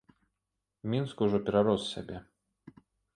Мінск ужо перарос сябе.